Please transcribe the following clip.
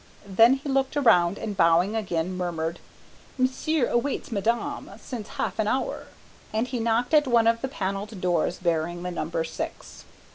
Then he looked around and bowing again murmured, "Monsieur awaits madame since half an hour," and he knocked at one of the panelled doors bearing the number six.